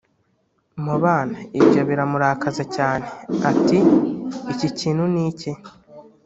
mu bana Ibyo biramurakaza cyane ati iki kintu ni iki